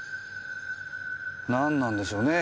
何なんでしょうねぇ